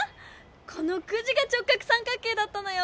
このクジが直角三角形だったのよ。